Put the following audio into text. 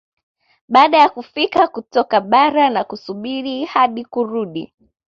Baada ya kufika kutoka bara na kusubiri hadi kurudi